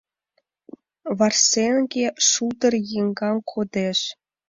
Варсеҥге шулдыр еҥгам кодеш